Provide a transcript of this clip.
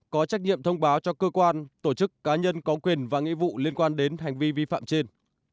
có trách nhiệm thông báo cho cơ quan tổ chức cá nhân có quyền và nghĩa vụ liên quan đến hành vi vi phạm trên